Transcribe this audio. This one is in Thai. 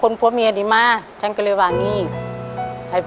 แล้วหน่อยทำยังไง